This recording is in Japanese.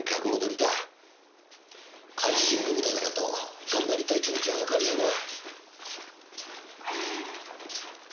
改心組だからと頑張りたい気持ちはわかるがな。